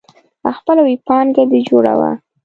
خپله ويي پانګه دي جوړوه.